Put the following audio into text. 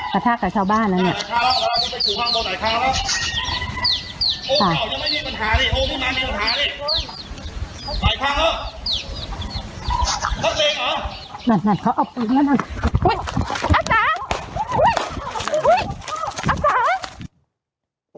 ประทักกับชาวบ้านแล้วเนี่ยไปถือห้องเราไหนครับอ้าวยังไม่มีปัญหานี่